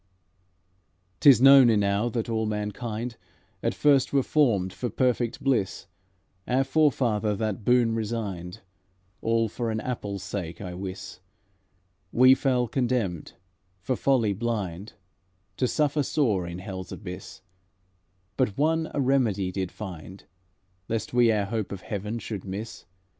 "'T is known enow that all mankind At first were formed for perfect bliss; Our forefather that boon resigned, All for an apple's sake, I wis; We fell condemned, for folly blind, To suffer sore in hell's abyss; But One a remedy did find Lest we our hope of heaven should miss.